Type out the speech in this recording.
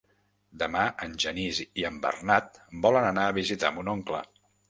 Demà en Genís i en Bernat volen anar a visitar mon oncle.